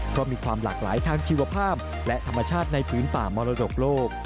เพราะมีความหลากหลายทางชีวภาพและธรรมชาติในพื้นป่ามรดกโลก